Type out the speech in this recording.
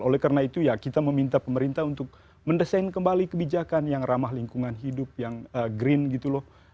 oleh karena itu ya kita meminta pemerintah untuk mendesain kembali kebijakan yang ramah lingkungan hidup yang green gitu loh